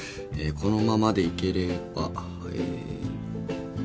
このままでいければえ。